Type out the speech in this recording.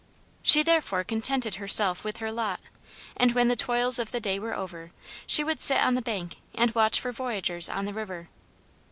She therefore contented herself with her lot, and when the toils of the day were over, she would sit on the bank and watch for voyagers on the river.